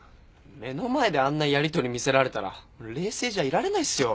目の前であんなやりとり見せられたら冷静じゃいられないっすよ。